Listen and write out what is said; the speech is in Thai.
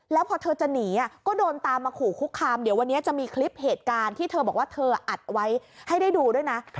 แล้วพอเธอจะหนีก็โดนตามมาขู่คุกคามเดี๋ยววันนี้จะมีคลิปเหตุการณ์ที่เธอบอกว่าเธออัดไว้ให้ได้ดูด้วยนะ